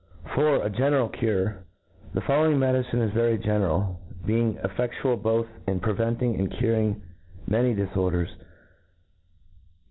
4. *A General Cure. The following medicine is very general, be ing cflFe£tual both in preventing and curing ma ny diforders.